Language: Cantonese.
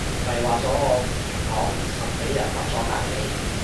咪話咗我唔明講實畀人諗錯隔離